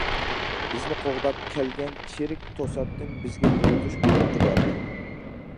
بىزنى قوغداپ كەلگەن چېرىك توساتتىن بىزگە بۇرۇلۇش بۇيرۇقى بەردى.